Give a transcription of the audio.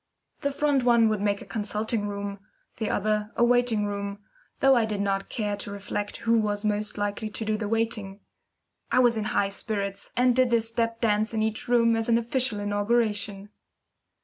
The front one would make a consulting room, the other a waiting room, though I did not care to reflect who was most likely to do the waiting. I was in the highest spirits, and did a step dance in each room as an official inauguration.